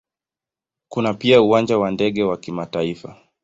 Kuna pia Uwanja wa ndege wa kimataifa.